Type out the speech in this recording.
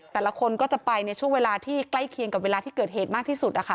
แต่ละคนก็จะไปในช่วงเวลาที่ใกล้เคียงกับเวลาที่เกิดเหตุมากที่สุดนะคะ